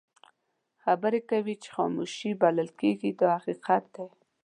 خبرې کوي چې خاموشي بلل کېږي دا حقیقت دی.